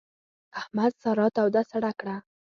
احمد سارا توده سړه کړه.